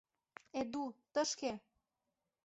— Эду, тышке!